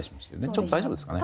ちょっと大丈夫ですかね。